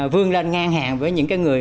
vương lên ngang hàng với những cái người